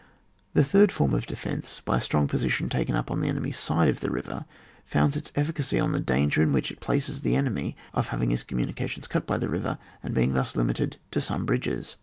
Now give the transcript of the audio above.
The third form of defence — by a strong position taken up on the enemy's side of the river — ^founds its efficacy on the danger in which it places the enemy of having his communications cut by the river, and being thus limited to some bridges.